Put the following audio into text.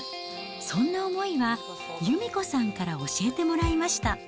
そんな思いは由美子さんから教えてもらいました。